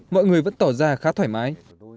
mọi người vẫn tỏ ra khá thoải mái